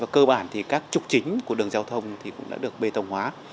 cơ bản thì các trục chính của đường giao thông cũng đã được bê tông hóa